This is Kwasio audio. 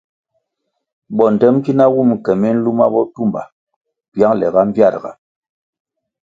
Bondtem ki na wun ke miluma botumba piangle ga mbpiarga.